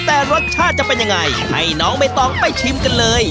แต่รสชาติจะเป็นยังไงให้น้องใบตองไปชิมกันเลย